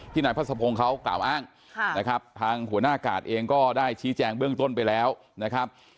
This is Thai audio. นายพระสะพงศ์เขากล่าวอ้างนะครับทางหัวหน้ากาดเองก็ได้ชี้แจงเบื้องต้นไปแล้วนะครับ